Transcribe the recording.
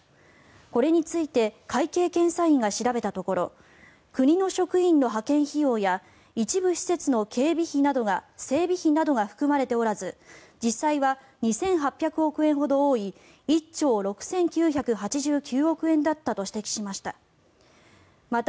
これについて会計検査院が調べたところ国の職員の派遣費用や一部施設の整備費などが含まれておらず実際は２８００億円ほど多い１兆６９８９億円だったと指摘しました。